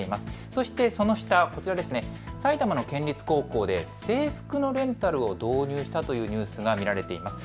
そしてその下、埼玉の県立高校で制服のレンタルを導入したというニュースが見られています。